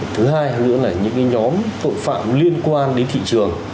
thứ hai nữa là những nhóm tội phạm liên quan đến thị trường